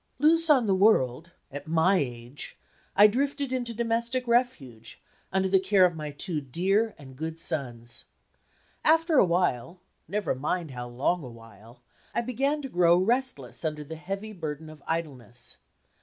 Loose on the world at my age! I drifted into domestic refuge, under the care of my two dear and good sons. After a while (never mind how long a while) I began to grow restless under the heavy burden of idleness.